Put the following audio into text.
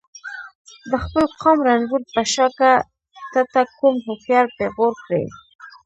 د خپل قام رنځور په شاکه ته ته کوم هوښیار پیغور کړي.